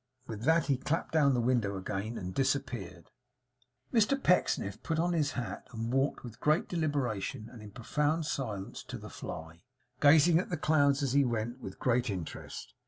With that he clapped down the window again, and disappeared. Mr Pecksniff put on his hat, and walked with great deliberation and in profound silence to the fly, gazing at the clouds as he went, with great interest.